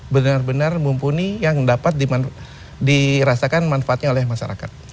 benar benar mumpuni yang dapat dirasakan manfaatnya oleh masyarakat